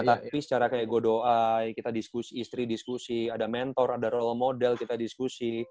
tapi secara kayak godoay kita diskusi istri diskusi ada mentor ada role model kita diskusi